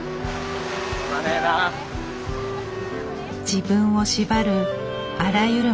自分を縛るあらゆる